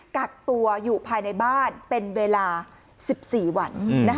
กักตัวอยู่ภายในบ้านเป็นเวลา๑๔วัน